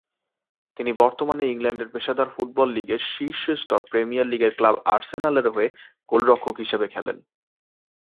তিনি বর্তমানে ইংল্যান্ডের পেশাদার ফুটবল লীগের শীর্ষ স্তর প্রিমিয়ার লীগের ক্লাব আর্সেনালের হয়ে গোলরক্ষক হিসেবে খেলেন।